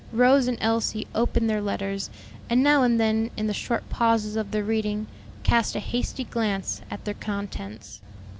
Rose and Elsie opened their letters, and now and then, in the short pauses of the reading, cast a hasty glance at their contents.